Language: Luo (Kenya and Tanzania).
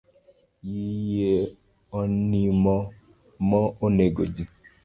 Yie onimo mo negoji.